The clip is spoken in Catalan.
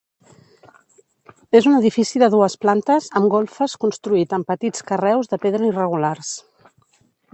És un edifici de dues plantes amb golfes, construït amb petits carreus de pedra irregulars.